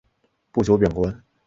不久贬官。